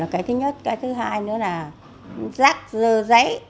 cái thứ nhất cái thứ hai nữa là rác dơ giấy